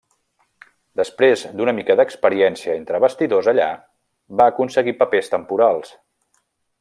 Després d'una mica d'experiència entre bastidors allà, va aconseguir papers temporals.